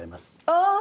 ああ！